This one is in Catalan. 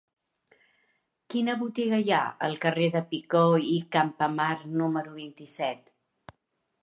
Quina botiga hi ha al carrer de Picó i Campamar número vint-i-set?